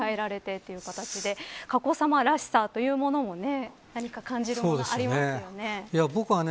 髪型も毎回、変えられてという形で佳子さまらしさというものも何か感じるもの、ありますよね。